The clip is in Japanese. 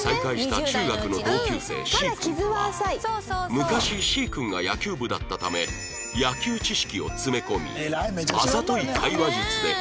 昔 Ｃ 君が野球部だったため野球知識を詰め込みあざとい会話術で意気投合